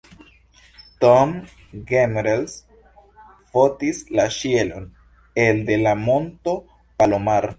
Tom Gehrels fotis la ĉielon elde la Monto Palomar.